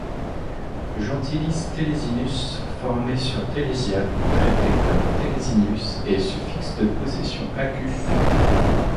Gentilice Telesinus, formé sur Telesia, traité comme Telesinius, et suffixe de possession acus.